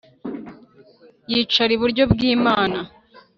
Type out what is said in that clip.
yicara iburyo bw'Imana